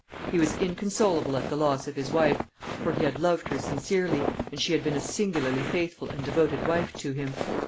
He was inconsolable at the loss of his wife, for he had loved her sincerely, and she had been a singularly faithful and devoted wife to him.